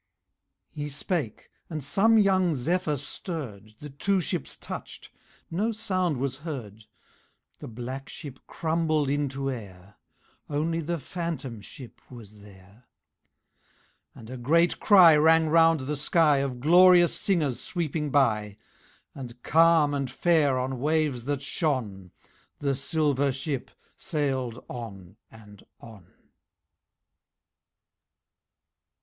He spake, and some young Zephyr stirred The two ships touched: no sound was heard; The Black Ship crumbled into air; Only the Phantom Ship was there. And a great cry rang round the sky Of glorious singers sweeping by, And calm and fair on waves that shone The Silver Ship sailed on and on.